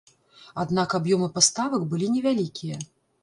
Аднак аб'ёмы паставак былі невялікія.